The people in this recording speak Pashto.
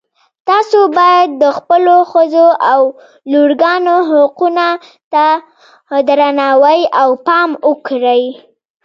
تاسو باید د خپلو ښځو او لورګانو حقونو ته درناوی او پام وکړئ